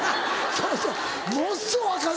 そうそうものっすごい分かるな！